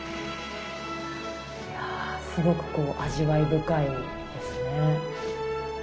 いやぁすごくこう味わい深いですね。